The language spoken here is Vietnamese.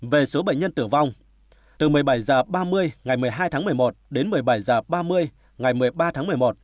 về số bệnh nhân tử vong từ một mươi bảy h ba mươi ngày một mươi hai tháng một mươi một đến một mươi bảy h ba mươi ngày một mươi ba tháng một mươi một